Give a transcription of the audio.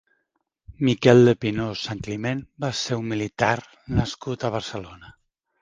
Miquel de Pinós-Santcliment va ser un militar nascut a Barcelona.